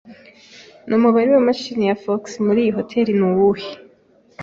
Numubare wa mashini ya fax muriyi hoteri ni uwuhe?